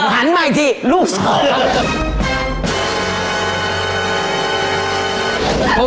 หั่นใหม่ทีลูกสอง